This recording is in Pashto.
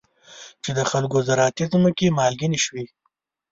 چې د خلکو زراعتي ځمکې مالګینې شوي.